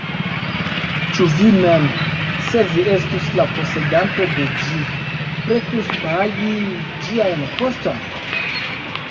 Ĉu vi mem, se vi estus la posedanto de ĝi, pretus pagi ĝiajn kostojn?